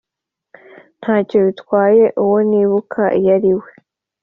ntacyo bitwaye uwo nibuka yari we. ”